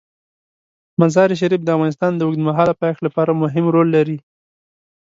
مزارشریف د افغانستان د اوږدمهاله پایښت لپاره مهم رول لري.